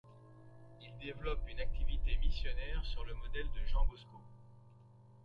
Il développe une activité missionnaire sur le modèle de Jean Bosco.